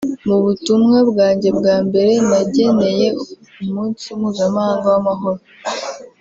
Mu butumwa bwanjye bwa mbere nageneye Umunsi mpuzamahanga w’Amahoro